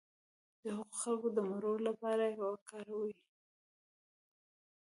د هغو خلکو د مړولو لپاره یې وکاروي.